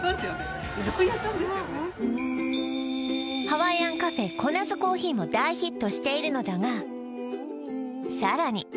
ハワイアンカフェコナズ珈琲も大ヒットしているのだがさらに